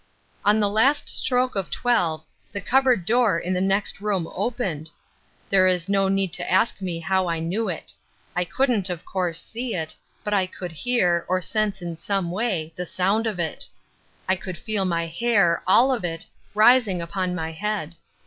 On the last stroke of twelve, the cupboard door in the next room opened. There is no need to ask me how I knew it. I couldn't, of course, see it, but I could hear, or sense in some way, the sound of it. I could feel my hair, all of it, rising upon my head.